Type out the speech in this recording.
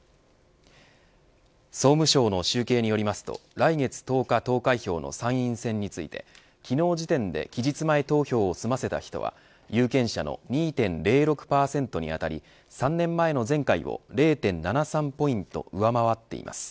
総務省の集計によりますと来月１０日投開票の参院選について昨日時点で期日前投票を済ませた人は有権者の２．０６％にあたり３年前の前回を０．７３ポイント上回っています。